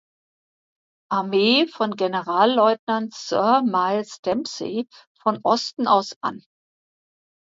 Armee von Generalleutnant Sir Miles Dempsey von Osten aus an.